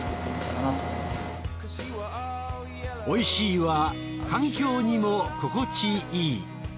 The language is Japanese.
「おいしい」は環境にも心地いい。